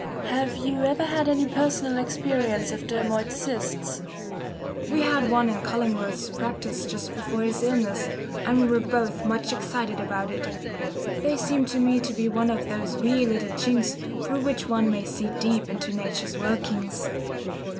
Have you ever had any personal experience of dermoid cysts? We had one in Cullingworth's practice just before his illness, and we were both much excited about it. They seem to me to be one of those wee little chinks through which one may see deep into Nature's workings.